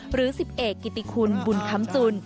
หรือ๑๐เอกกิติคุณบุญคำจุน